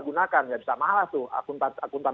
gunakan yang bisa mahal itu akuntan akuntan